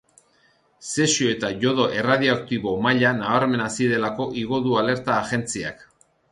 Zesio eta iodo erradioaktibo maila nabarmen hazi delako igo du alerta agentziak.